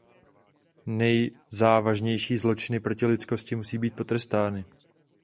Nejzávažnější zločiny proti lidskosti musí být potrestány.